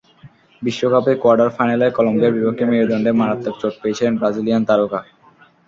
বিশ্বকাপে কোয়ার্টার ফাইনালে কলম্বিয়ার বিপক্ষে মেরুদণ্ডে মারাত্মক চোট পেয়েছিলেন ব্রাজিলিয়ান তারকা।